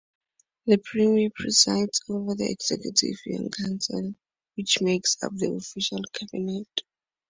The premier presides over the Executive Yuan Council, which makes up the official cabinet.